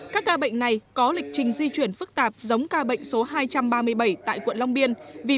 các ca bệnh này có lịch trình di chuyển phức tạp giống ca bệnh số hai trăm ba mươi bảy tại quận long biên